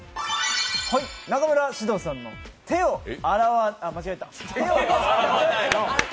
中村獅童さんの手を洗わなあ、間違えた。